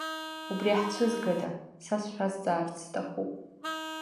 Убри ҳцәызгада, са сшәазҵаарц сҭахуп?!